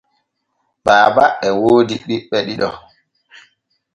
Baaba e woodi ɓiɓɓe ɗiɗo.